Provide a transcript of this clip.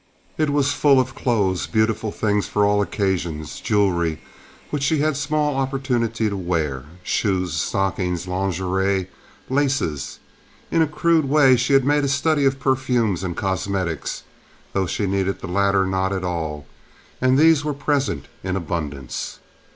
It was full of clothes, beautiful things for all occasions—jewelry—which she had small opportunity to wear—shoes, stockings, lingerie, laces. In a crude way she had made a study of perfumes and cosmetics, though she needed the latter not at all, and these were present in abundance.